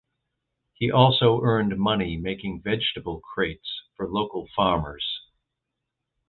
He also earned money making vegetable crates for local farmers.